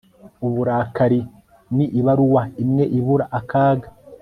uburakari ni ibaruwa imwe ibura akaga